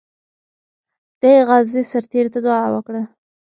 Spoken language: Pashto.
دې غازي سرتیري ته دعا وکړه.